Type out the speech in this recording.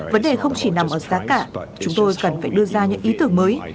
vấn đề không chỉ nằm ở giá cả chúng tôi cần phải đưa ra những ý tưởng mới